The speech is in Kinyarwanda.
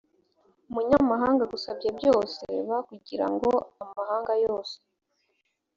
munyamahanga agusabye byose b kugira ngo amahanga yose